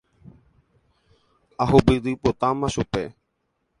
Ahupytypotáma chupe.